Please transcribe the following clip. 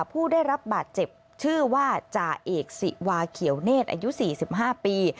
ผู้ได้รับบาดเจ็บชื่อว่าจ่าเอกสิวาเขียวเนธอายุ๔๕ปี